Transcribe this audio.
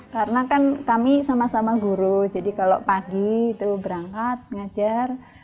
karena kan kami sama sama guru jadi kalau pagi itu berangkat mengajar